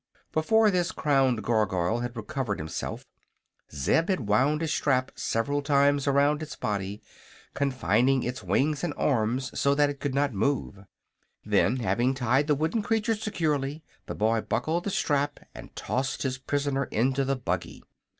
Before this crowned Gargoyle had recovered himself Zeb had wound a strap several times around its body, confining its wings and arms so that it could not move. Then, having tied the wooden creature securely, the boy buckled the strap and tossed his prisoner into the buggy.